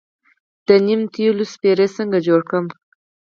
د نیم د تیلو سپری څنګه جوړ کړم؟